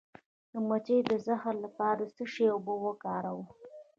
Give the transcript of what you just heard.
د مچۍ د زهر لپاره د څه شي اوبه وکاروم؟